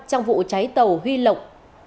trong vụ cháy tàu huy lộc một mươi